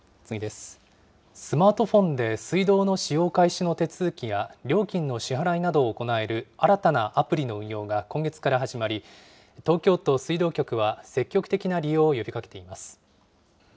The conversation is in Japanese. スマートフォンで水道の使用開始の手続きや、料金の支払いなどを行える新たなアプリの運用が今月から始まり、東京都水道局は、積極的な利用を呼びかけています。